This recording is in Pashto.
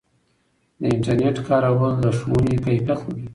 د انټرنیټ کارول د ښوونې کیفیت لوړوي.